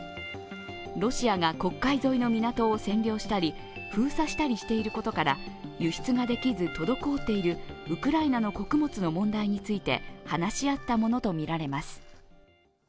ロシアが黒海沿いの港を占領したり封鎖したりしていることから輸出ができず、滞っているウクライナの穀物の問題について話し合ったものとみられます。